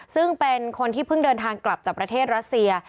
ซึ่งเป็นคนที่เพิ่งเดินทางกลับจากประเทศรัสเซีย